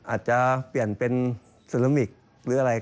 อาจจะเปลี่ยนเป็นเซรามิกหรืออะไร